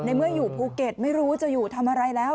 เมื่ออยู่ภูเก็ตไม่รู้จะอยู่ทำอะไรแล้ว